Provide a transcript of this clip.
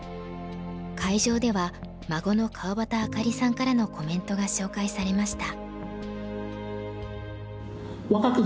会場では孫の川端あかりさんからのコメントが紹介されました。